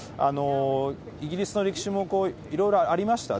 イギリスの歴史もいろいろありました。